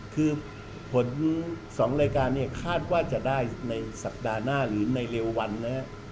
คือผล๒รายการเนี่ยคาดว่าจะได้ในสัปดาห์หน้าหรือในเร็ววันนะครับ